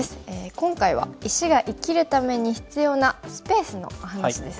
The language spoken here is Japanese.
今回は石が生きるために必要なスペースのお話ですね。